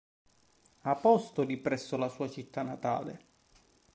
Apostoli presso la sua città natale.